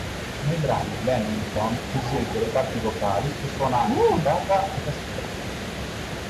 Nei brani Bennington esegue le parti vocali e suona anche chitarra e tastiera.